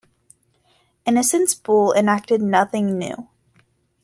Innocent's Bull enacted nothing new.